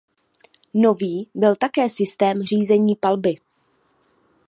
Nový byl také systém řízení palby.